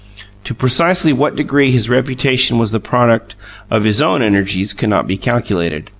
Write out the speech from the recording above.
To precisely what degree his reputation was the product of his own energies cannot be calculated.